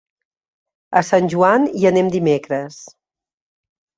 A Sant Joan hi anem dimecres.